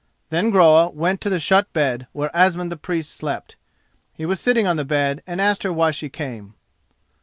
Then Groa went to the shut bed where Asmund the Priest slept. He was sitting on the bed and asked her why she came.